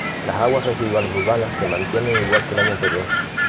las aguas residuales urbanas se mantienen igual que el año anterior